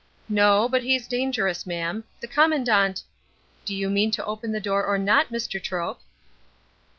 "No; but he's dangerous, mam. The Commandant " "Do you mean to open the door or not, Mr. Troke?"